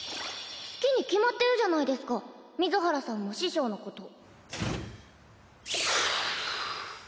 好きに決まってるじゃないですか水原さんも師匠のことふぅ。